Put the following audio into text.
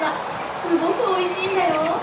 すごくおいしいんだよ。